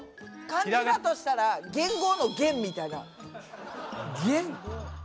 漢字だとしたら元号の「元」みたいな。